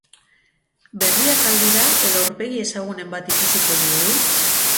Berriak al dira edo aurpegi ezagunen bat ikusiko dugu?